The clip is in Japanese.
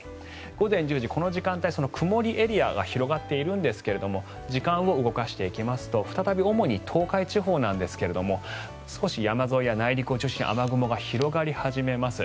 午前１０時、この時間帯曇りエリアが広がっているんですが時間を動かしていきますと再び主に東海地方なんですが少し山沿いや内陸を中心に雨雲が広がり始めます。